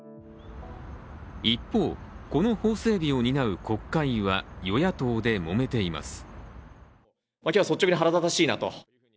一方、この法整備を担う国会は与野党でもめています。